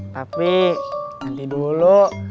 tapi nanti dulu